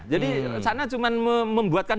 jadi sana cuma membuatkan